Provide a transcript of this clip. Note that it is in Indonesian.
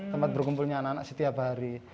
tempat berkumpulnya anak anak setiap hari